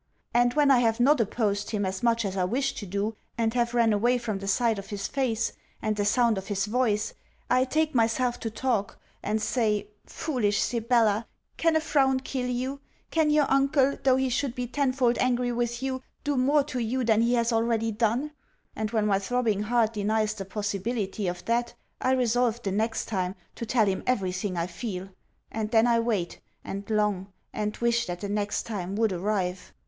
And when I have not opposed him as much as I wish to do, and have ran away from the fight of his face, and the sound of his voice, I take myself to talk, and say, foolish Sibella! Can a frown kill you? Can your uncle, though he should be tenfold angry with you, do more to you than he has already done? And, when my throbbing heart denies the possibility of that, I resolve the next time to tell him every thing I feel: and then I wait, and long, and wish that the next time would arrive.